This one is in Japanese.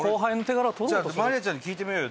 まりあちゃんに聞いてみようよ